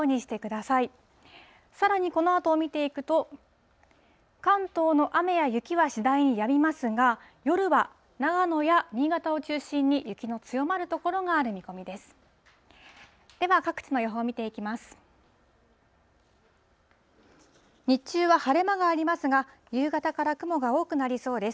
さらにこのあと見ていくと、関東の雨や雪は次第にやみますが、夜は長野や新潟を中心に雪の強まる所がある見込みです。